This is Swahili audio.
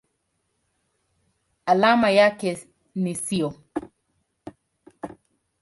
Alama yake ni SiO.